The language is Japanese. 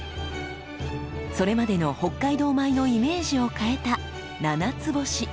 それまでの北海道米のイメージを変えた「ななつぼし」。